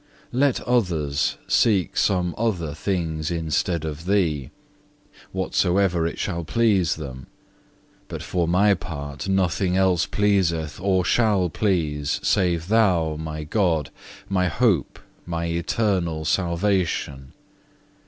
5. Let others seek some other thing instead of Thee, whatsoever it shall please them; but for my part nothing else pleaseth or shall please, save Thou, my God, my hope, my eternal salvation.